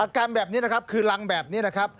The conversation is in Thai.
กรรมแบบนี้นะครับคือรังแบบนี้นะครับ